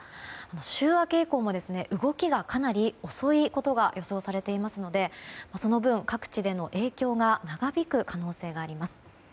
週明け以降も動きがかなり遅いことが予想されていますのでそのぶん、各地での影響が長引く可能性があります。